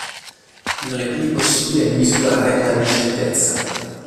Non è quindi possibile "misurare" la lucentezza.